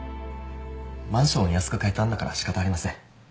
マンションを安く買えたんだから仕方ありません。